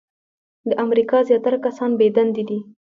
د امریکا زیاتره کسان بې دندې دي .